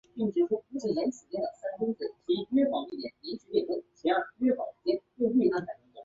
毛紫薇为千屈菜科紫薇属下的一个种。